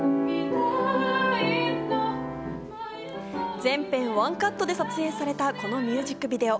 全編をワンカットで撮影されたこのミュージックビデオ。